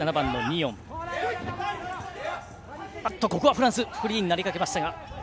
フランスフリーになりかけましたが。